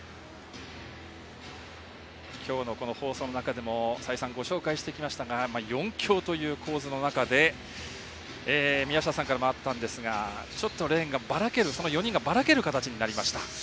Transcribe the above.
今日の放送の中でも再三、ご紹介してきましたが４強という構図の中で宮下さんからもあったんですがちょっとレーンがばらけるその４人がばらける形になりました。